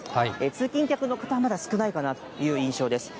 通勤客の方はまだ少ないかなという印象です。